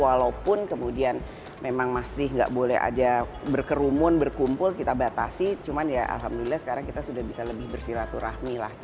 walaupun kemudian memang masih nggak boleh ada berkerumun berkumpul kita batasi cuman ya alhamdulillah sekarang kita sudah bisa lebih bersilaturahmi lah